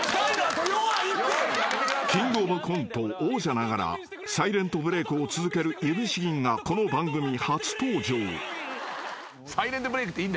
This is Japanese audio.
［キングオブコント王者ながらサイレントブレークを続けるいぶし銀がこの番組初登場］